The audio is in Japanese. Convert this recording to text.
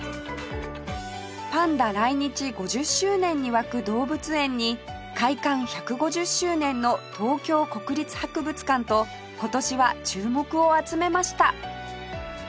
パンダ来日５０周年に沸く動物園に開館１５０周年の東京国立博物館と今年は注目を集めました